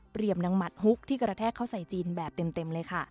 นางหมัดฮุกที่กระแทกเข้าใส่จีนแบบเต็มเลยค่ะ